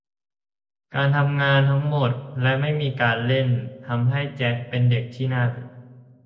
การทำงานทั้งหมดและไม่มีการเล่นทำให้แจ็คเป็นเด็กที่น่าเบื่อ